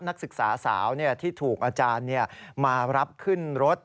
นักศึกษาสาวที่ถูกอาจารย์มารับขึ้นรถ